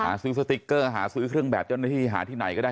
ซื้อสติ๊กเกอร์หาซื้อเครื่องแบบเจ้าหน้าที่หาที่ไหนก็ได้